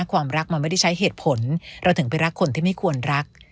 ความรักมันไม่ได้ใช้เหตุผลเราถึงไปรักคนที่ไม่ควรรัก